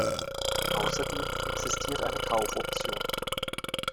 Außerdem existiert eine Kaufoption.